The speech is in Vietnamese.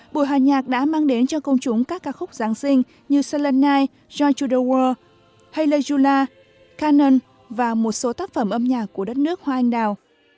buổi hòa nhạc đã mang đến cho công chúng các ca khúc giáng sinh như silent night joy to the world hayley jula cannon và một số tác phẩm âm nhạc của đất nước hoa anh đào